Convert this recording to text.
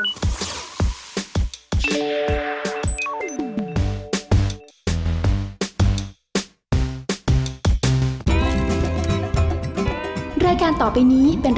สนุกต่อนอกจอ